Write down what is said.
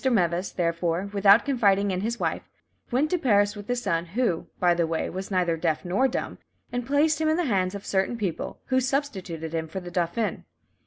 Meves, therefore, without confiding in his wife, went to Paris with his son, who, by the way, was neither deaf nor dumb, and placed him in the hands of certain people, who substituted him for the dauphin.